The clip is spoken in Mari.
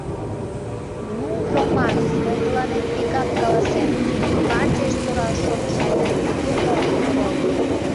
Ну, Роман, мый тыланет вигак каласем: партийыш пураш шонышо айдеме тыге ок кутыро...